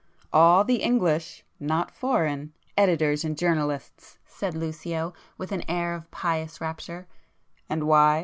"All the English (not foreign) editors and journalists!" said Lucio with an air of pious rapture—"and why?